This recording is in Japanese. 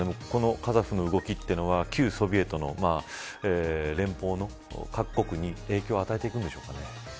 このカザフの動きというのは旧ソビエト連邦の各国に影響を与えていくんでしょうか。